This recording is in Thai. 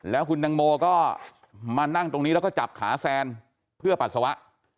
แล้วคุณตังโมก็มานั่งตรงนี้แล้วก็จับขาแซนเพื่อปัสสาวะ